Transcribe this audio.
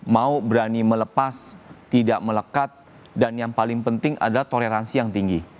mau berani melepas tidak melekat dan yang paling penting adalah toleransi yang tinggi